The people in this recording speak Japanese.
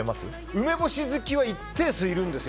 梅干し好きは一定数いるんですよ。